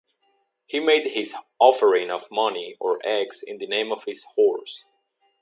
He made his offering of money or eggs in the name of his horse.